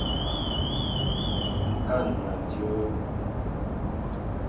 Ŋkana dyǒw.